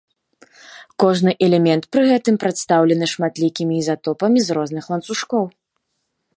Кожны элемент пры гэтым прадстаўлены шматлікімі ізатопамі з розных ланцужкоў.